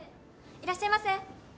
いらっしゃいませ。